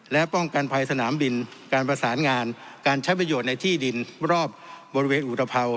และป้องกันภัยสนามบินการประสานงานการใช้ประโยชน์ในที่ดินรอบบริเวณอุตภาว